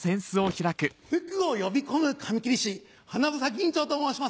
福を呼び込む紙切り師花房銀蝶と申します。